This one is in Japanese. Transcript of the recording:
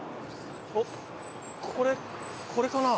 おっこれかな？